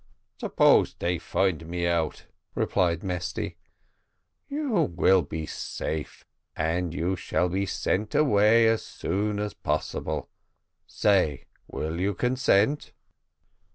"Suppose they find me out?" replied Mesty. "You will be safe, and you shall be sent away as soon as possible say, will you consent?"